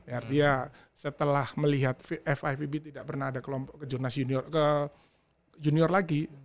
artinya setelah melihat fivb tidak pernah ada kelompok ke junior lagi